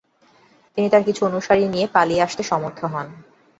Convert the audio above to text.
তিনি তার কিছু অনুসারী নিয়ে পালিয়ে আসতে সমর্থ হন।